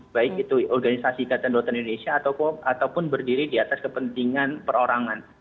baik itu organisasi ikatan dokter indonesia ataupun berdiri di atas kepentingan perorangan